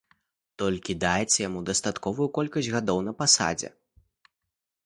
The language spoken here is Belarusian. Толькі дайце яму дастатковую колькасць гадоў на пасадзе.